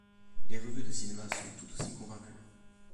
Les revues de cinéma sont tout aussi convaincues.